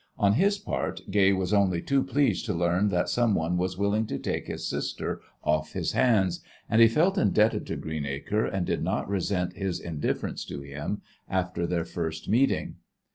On his part, Gay was only too pleased to learn that some one was willing to take his sister off his hands, and he felt indebted to Greenacre and did not resent his indifference to him after their first meeting.